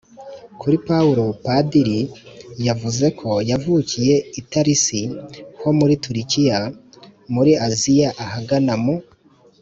kuri paulo, padiri yavuze ko yavukiye i tarisi ho muri turukiya muri aziya ahagana mu